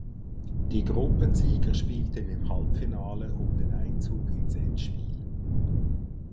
Die Gruppensieger spielten im Halbfinale um den Einzug ins Endspiel.